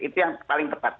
itu yang paling tepat